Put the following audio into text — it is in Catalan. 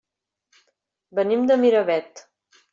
Venim de Miravet.